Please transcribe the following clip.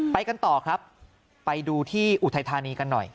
ไปกันต่อครับไปดูที่อุทัยธานีกันหน่อย